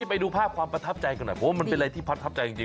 ไปดูภาพความประทับใจกันหน่อยเพราะว่ามันเป็นอะไรที่ประทับใจจริง